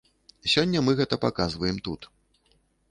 Сёння мы гэта паказваем тут.